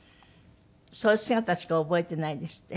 そういう姿しか覚えていないんですって？